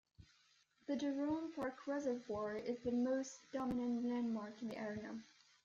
The Jerome Park Reservoir is the most dominant landmark in the area.